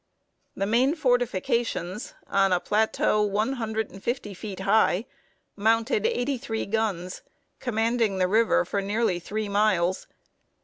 The main fortifications, on a plateau one hundred and fifty feet high, mounted eighty three guns, commanding the river for nearly three miles.